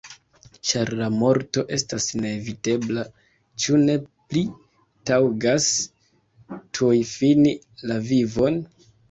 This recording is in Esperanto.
Ĉar la morto estas neevitebla, ĉu ne pli taŭgas tuj fini la vivon?